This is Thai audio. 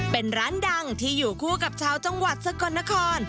เป็นร้านดังที่อยู่คู่กับชาวจังหวัดสกลนคร